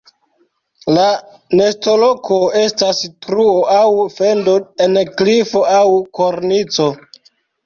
La nestoloko estas truo aŭ fendo en klifo aŭ kornico.